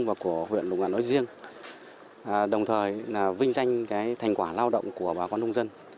và của huyện lục ngạn nói riêng đồng thời vinh danh thành quả lao động của bà con nông dân